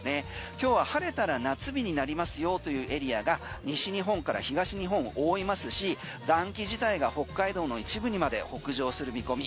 今日は晴れたら夏日になりますよというエリアが西日本から東日本を覆いますし暖気自体が北海道の一部にまで北上する見込み。